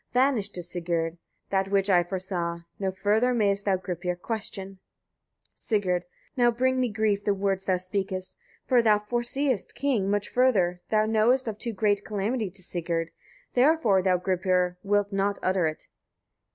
Vanished is, Sigurd! that which I foresaw; no further mayest thou Gripir question. Sigurd. 20. Now bring me grief the words thou speakest; for thou foreseest, king! much further; thou knowest of too great calamity to Sigurd; therefore thou, Gripir! wilt not utter it.